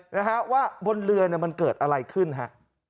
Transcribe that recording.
นะฮะว่าบนเรือเนี่ยมันเกิดอะไรขึ้นฮะ